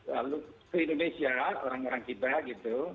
lalu ke indonesia orang orang kita gitu